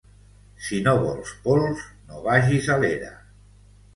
Si no vols pols, no vagis a l'era.